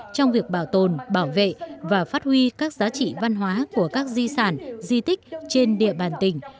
trong việc bảo tồn bảo vệ và phát huy các giá trị văn hóa của các di sản di tích trên địa bàn tỉnh